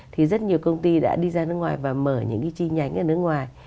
thì rất nhiều công ty đã đi ra nước ngoài và mở những cái chi nhánh ở nước ngoài